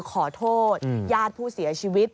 ขอโทษญาติผู้เสียชีวิต